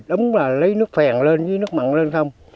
đúng là lấy nước phèn lên với nước mặn lên không